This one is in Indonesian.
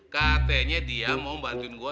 katanya dia mau bantuin gue